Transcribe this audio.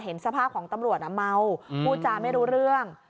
สภาพของตำรวจเมาพูดจาไม่รู้เรื่อง